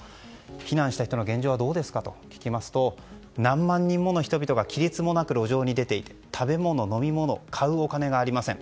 避難した人の現状はどうですか？と聞きますと何万人もの人々が規律もなく路上に出ていて食べ物飲み物を買うお金もありません。